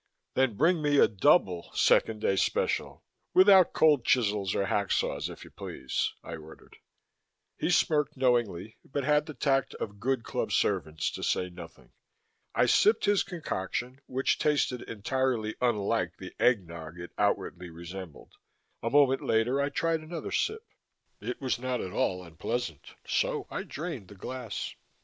"Then bring me a double Second Day Special, without cold chisels or hacksaws, if you please," I ordered. He smirked knowingly but had the tact of good club servants to say nothing. I sipped his concoction, which tasted entirely unlike the egg nog it outwardly resembled. A moment later, I tried another sip. It was not at all unpleasant, so I drained the glass.